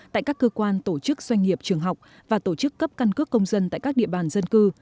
tại các cơ quan tổ chức doanh nghiệp trường học và tổ chức cấp căn cước công dân tại các địa bàn dân cư